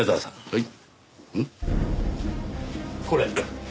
はい。